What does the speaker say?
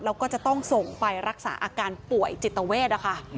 แล้วก็จะต้องส่งไปรักษาอาการป่วยจิตเวทนะคะ